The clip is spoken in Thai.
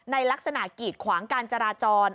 ในลักษณะกีดขวางการจราจร